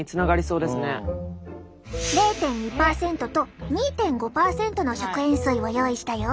０．２％と２．５％の食塩水を用意したよ！